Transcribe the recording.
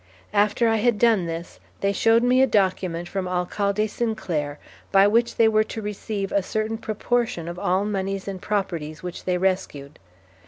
After I had done this they showed me a document from Alcalde Sinclair, by which they were to receive a certain proportion of all moneys and properties which they rescued.